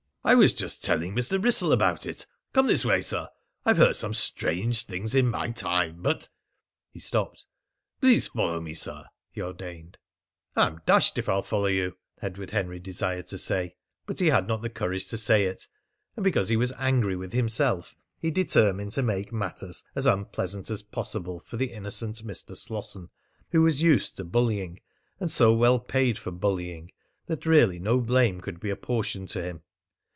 I was just telling Mr. Wrissell about it. Come this way, sir. I've heard some strange things in my time, but " He stopped. "Please follow me, sir," he ordained. "I'm dashed if I'll follow you!" Edward Henry desired to say, but he had not the courage to say it. And because he was angry with himself he determined to make matters as unpleasant as possible for the innocent Mr. Slosson, who was used to bullying, and so well paid for bullying, that really no blame could be apportioned to him.